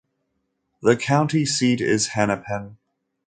The county seat is Hennepin.